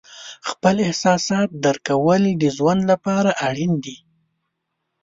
خپل احساسات درک کول د ژوند لپاره اړین دي.